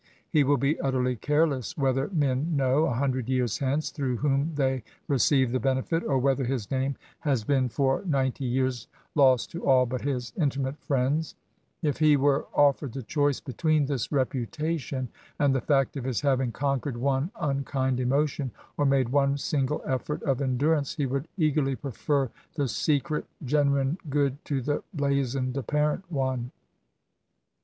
He will be utterly careless whether men' know, a hundred years hence, through whomtherf received the benefit, or whether his name has been SYMPATHY TO THE INVALID. 25 for ninety years lost to all but his intimate friends* If he were offered the choice between this repu tation and the fact of his haying conquered one unkind emotion^ or made one single effort of endurance^ he would eagerly prefer the secret genuine good to the blazoned apparent one.